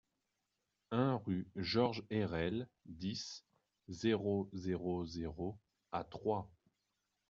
un rue Georges Herelle, dix, zéro zéro zéro à Troyes